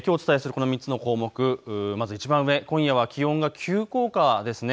この３つの項目、まずいちばん上、今夜は気温が急降下ですね。